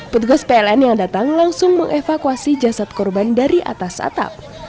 petugas pln yang datang langsung mengevakuasi jasad korban dari atas atap